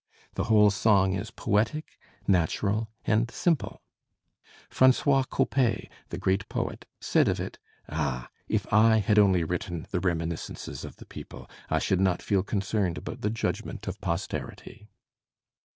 The whole song is poetic, natural, and simple. François Coppée, the great poet, said of it: "Ah! if I had only written 'The Reminiscences of the People,' I should not feel concerned about the judgment of posterity."